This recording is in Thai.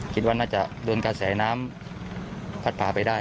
คิดว่าน่าจะโดนกระแสน้ำพัดผ่าไปได้